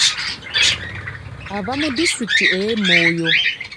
Ava mu disitulikiti y'e Moyo.